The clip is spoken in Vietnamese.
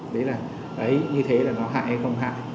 đấy là như thế là nó hại hay không hại